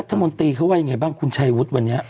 รัฐมนตรีเขาว่ายังไงบ้างคุณชัยวุฒิวันนี้